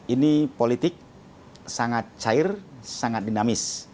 ini politik sangat cair sangat dinamis